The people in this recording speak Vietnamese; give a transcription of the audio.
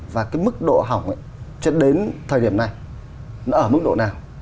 và cái mức độ hỏng ấy cho đến thời điểm này nó ở mức độ nào